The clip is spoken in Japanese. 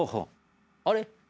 あれ？